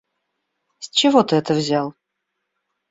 С чего ты это взял?